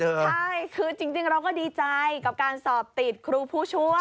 ใช่คือจริงเราก็ดีใจกับการสอบติดครูผู้ช่วย